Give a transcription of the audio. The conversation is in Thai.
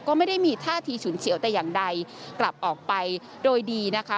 ก็ไม่ได้มีท่าทีฉุนเฉียวแต่อย่างใดกลับออกไปโดยดีนะคะ